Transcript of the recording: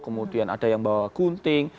kemudian ada yang bawa gunting